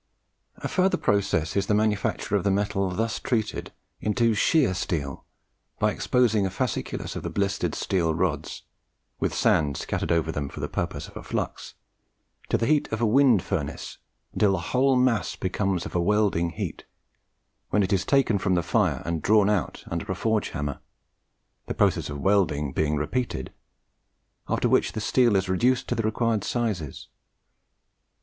A further process is the manufacture of the metal thus treated into SHEAR STEEL, by exposing a fasciculus of the blistered steel rods, with sand scattered over them for the purposes of a flux, to the heat of a wind furnace until the whole mass becomes of a welding heat, when it is taken from the fire and drawn out under a forge hammer, the process of welding being repeated, after which the steel is reduced to the required sizes.